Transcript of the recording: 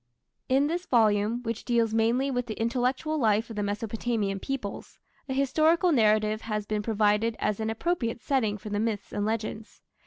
In this volume, which deals mainly with the intellectual life of the Mesopotamian peoples, a historical narrative has been provided as an appropriate setting for the myths and legends.